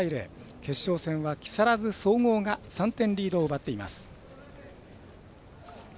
決勝戦は木更津総合が３点リードを奪っています。